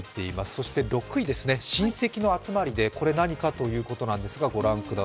そして６位、「親戚の集まりで」これ何かということです。